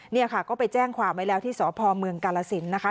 เนี่ยค่ะก็ไปแจ้งความไว้แล้วที่สพเมืองกาลสินนะคะ